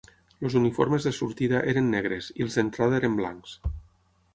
Els uniformes de sortida eren negres i els d'entrada eren blancs.